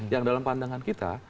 yang dalam pandangan kita